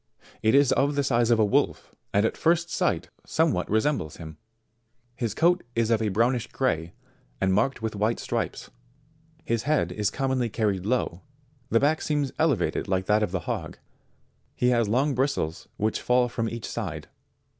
It is of the size of a wolf, and at first sight, somewhat resembles him. His coat is of a brownish gray, and marked with white stripes. His head is commonly carried low ; the back seems elevated like that of the hog; he has long bristles which fall from each side.